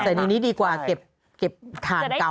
แต่ทีนี้ดีกว่าเก็บถ่านเก่า